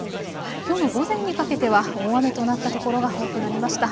きょうの午前にかけては大雨となったところが多くなりました。